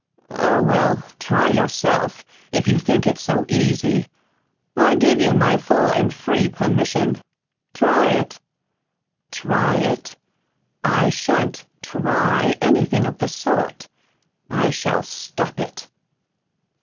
Oh, well, try yourself, if you think it's so easy. I give you my full and free permission. Try it." "TRY it! I shan't TRY anything of the sort. I shall STOP it."